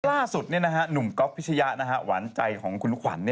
ล่าสุดหนุ่มก๊อฟพิชยะหวานใจของคุณขวัญ